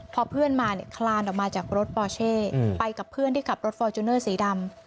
พอเพื่อนมาเนี่ยคลานออกมาจากรถปอเช่ไปกับเพื่อนที่ขับรถฟอร์จูเนอร์สีดำ